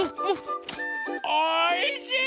おいしい！